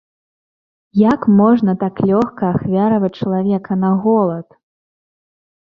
Як можна так лёгка ахвяраваць чалавека на голад?